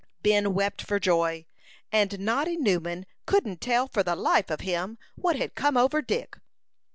Ben wept for joy, and Noddy Newman "couldn't tell, for the life of him, what had come over Dick."